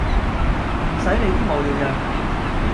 唔洗理啲無聊人